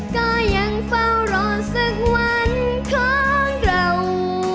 ก็ยังเฝ้ารอสักวันของเรา